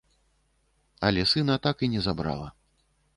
Але сына так і не забрала.